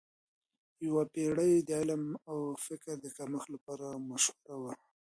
یوه پیړۍ د علم او فکر د کمښت لپاره مشهوره وه.